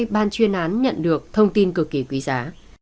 ban chuyên án nhận được thông tin cực kỳ quý giá